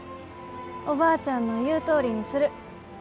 おばあちゃんの言うとおりにする。